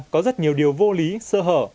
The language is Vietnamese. có rất nhiều điều vô lý sơ hở